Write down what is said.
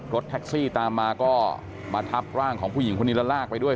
รถแท็กซี่ตามมาก็มาทับร่างของผู้หญิงคนนี้แล้วลากไปด้วย